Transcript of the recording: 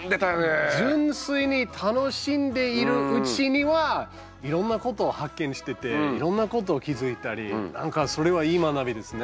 純粋に楽しんでいるうちにはいろんなことを発見してていろんなこと気付いたりなんかそれはいい学びですね。